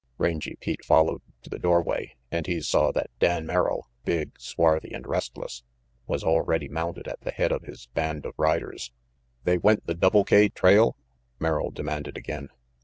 Rangy Pete followed to the doorway, and he saw that Dan Merrill, big, swarthy and restless, was already mounted at the head of his band of riders. 56 RANGY PETE "They went the Double K trail?" Merrill demanded again.